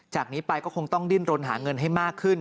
จากนี้ไปก็คงต้องดิ้นรนหาเงินให้มากขึ้น